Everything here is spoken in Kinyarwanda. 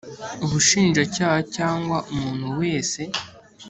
ubushinjacyaha cyangwa umuntu wese